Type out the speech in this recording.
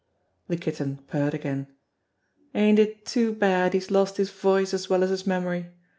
The Kitten purred again : "Ain't it too bad he's lost his voice as well as his memory